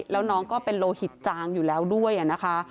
แล้วน้องก็เป็นโลหิตจางอยู่แล้วด้วยนะคะ